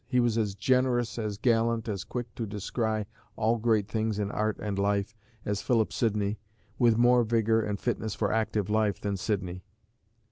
He was as generous, as gallant, as quick to descry all great things in art and life, as Philip Sidney, with more vigour and fitness for active life than Sidney.